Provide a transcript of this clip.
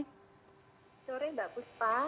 sore mbak puspa